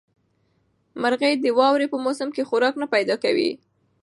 مرغۍ د واورې په موسم کې خوراک نه پیدا کوي.